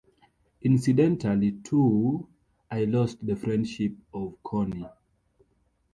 Incidentally, too, I lost the friendship of Connie.